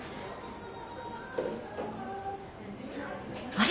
あれ？